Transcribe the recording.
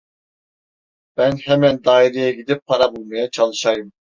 Ben hemen daireye gidip para bulmaya çalışayım!